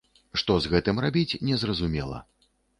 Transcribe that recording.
Што з гэтым рабіць, незразумела.